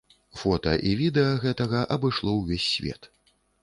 Фота і відэа гэтага абышло ўвесь свет.